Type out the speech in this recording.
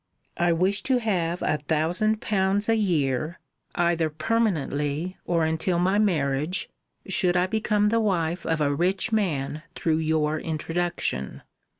I wish to have a thousand pounds a year, either permanently or until my marriage, should I become the wife of a rich man through your introduction."